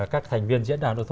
các thành viên diễn đàn ô tô pháp